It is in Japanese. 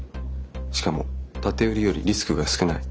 しかも建て売りよりリスクが少ない。